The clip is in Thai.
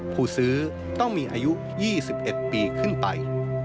ผู้ซื้อต้องมีอายุ๒๑ปีขึ้นไป